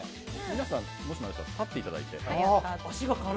皆さんもしもあれだったら立っていただいて。